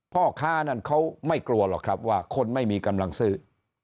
พ่อค้านั้นเขาไม่กลัวหรอกครับว่าคนไม่มีกำลังซื้อ